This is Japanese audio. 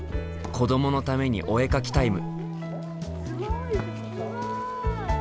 子どものためにお絵描きタイム。